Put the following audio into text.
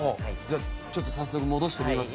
ちょっと早速戻してみます？